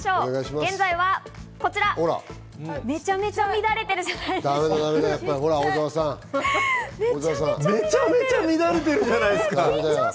現在はめちゃめちゃ乱れてるじゃないですか。